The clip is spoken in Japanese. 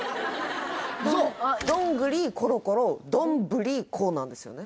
「どんぐりころころどんぶりこ」なんですよね